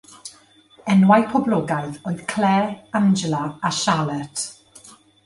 Enwau poblogaidd oedd Claire, Angela a Charlotte.